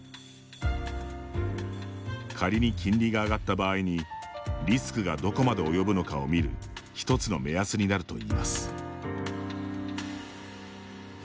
仮に金利が上がった場合にリスクがどこまで及ぶのかを見るひとつの目安になるといいます。